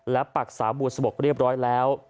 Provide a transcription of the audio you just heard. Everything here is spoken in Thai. และปรักษาบัวสะบกเรียบร้อยแล้ว